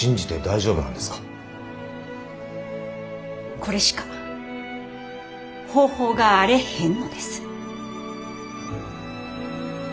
これしか方法があれへんのです。